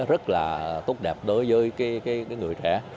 rất là tốt đẹp đối với cái người trẻ